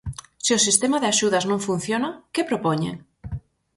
Se o sistema de axudas non funciona, que propoñen?